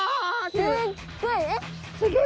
すっごいえ！？